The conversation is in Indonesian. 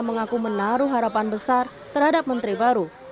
mengaku menaruh harapan besar terhadap menteri baru